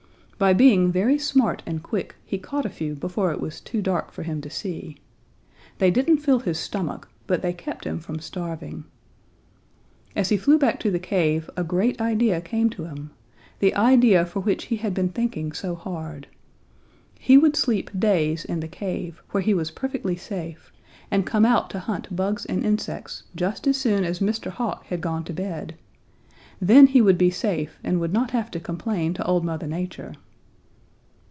By being very smart and quick he caught a few before it was too dark for him to see. They didn't fill his stomach, but they kept him from starving. As he flew back to the cave, a great idea came to him, the idea for which he had been thinking so hard. He would sleep days in the cave, where he was perfectly safe, and come out to hunt bugs and insects just as soon as Mr. Hawk had gone to bed! Then he would be safe and would not have to complain to Old Mother Nature.